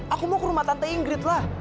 aku mau ke rumah tante ingrid lah